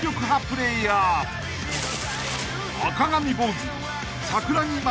［赤髪坊主］